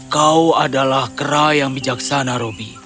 kau adalah kera yang bijaksana roby